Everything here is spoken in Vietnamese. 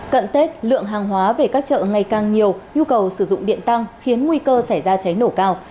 cận tết lượng hàng hóa về các chợ ngày càng nhiều nhu cầu sử dụng điện tăng khiến nguy cơ xảy ra cháy nổ cao